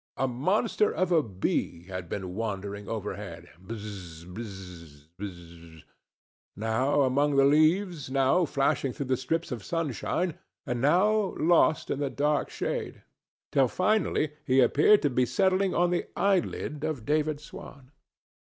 A monster of a bee had been wandering overhead—buzz, buzz, buzz—now among the leaves, now flashing through the strips of sunshine, and now lost in the dark shade, till finally he appeared to be settling on the eyelid of David Swan.